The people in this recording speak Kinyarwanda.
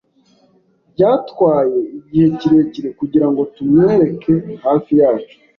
Byatwaye igihe kirekire kugirango tumwereke hafi yacu.